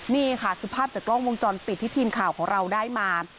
นี่ค่ะคือภาพจากกล้องวงจรปิดที่ทีมข่าวของเราได้มา